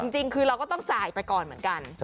จริงคือเราก็ต้องจ่ายไปก่อนเหมือนกัน